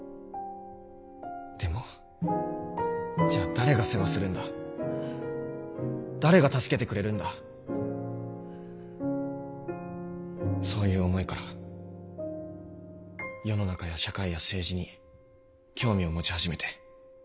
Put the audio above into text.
でもじゃあ誰が世話するんだ誰が助けてくれるんだそういう思いから世の中や社会や政治に興味を持ち始めて。